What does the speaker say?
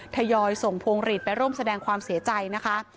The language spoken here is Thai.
ทยอยส่งพวงหลีดไปร่วมแสดงความเสียใจนะคะ